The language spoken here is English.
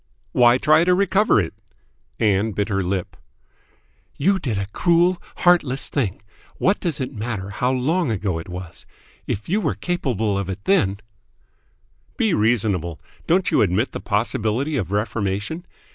"Why try to recover it?" Ann bit her lip. "You did a cruel, heartless thing. What does it matter how long ago it was? If you were capable of it then " "Be reasonable. Don't you admit the possibility of reformation?